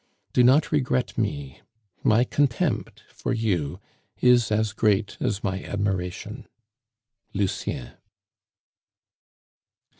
"Do not regret me: my contempt for you is as great as my admiration. "LUCIEN."